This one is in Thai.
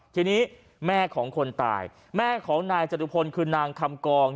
ทีนี้แม่ของคนตายแม่ของนายจตุพลคือนางคำกอง